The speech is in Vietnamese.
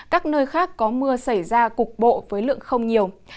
các nơi khác có mưa xảy ra cục bộ với lượng không nhiều